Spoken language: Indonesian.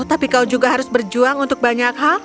tapi kau juga harus berjuang untuk banyak hal